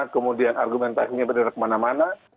kemudian argumentasinya benar kemana mana